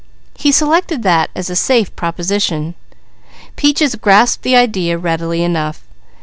He selected that as a safe proposition. Peaches grasped the idea readily enough.